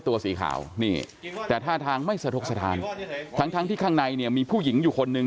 ตัวสีขาวนี่แต่ท่าทางไม่สะทกสถานทั้งทั้งที่ข้างในเนี่ยมีผู้หญิงอยู่คนหนึ่ง